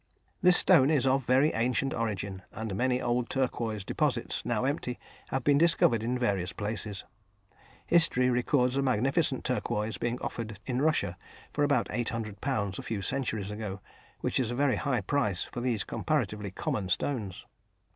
This stone is of very ancient origin, and many old turquoise deposits, now empty, have been discovered in various places. History records a magnificent turquoise being offered in Russia for about £800 a few centuries ago, which is a very high price for these comparatively common stones.